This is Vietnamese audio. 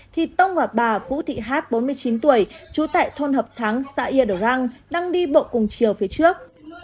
thì tông và bà vũ thị hát bốn mươi chín tuổi trú tại thôn hợp thắng xã yà răng đang đi bộ cùng chiều phía trước